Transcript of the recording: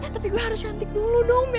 tapi gue harus cantik dulu dong ya